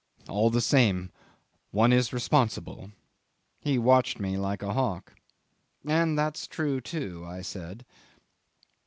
'"All the same, one is responsible." He watched me like a hawk. '"And that's true, too," I said.